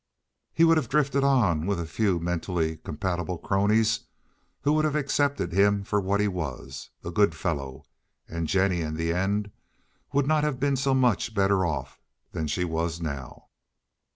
He would have drifted on with a few mentally compatible cronies who would have accepted him for what he was—a good fellow—and Jennie in the end would not have been so much better off than she was now.